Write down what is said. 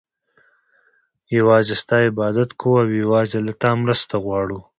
يوازي ستا عبادت كوو او يوازي له تا مرسته غواړو